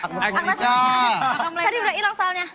tadi udah ilang soalnya